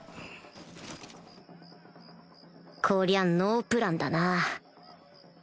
こりゃノープランだな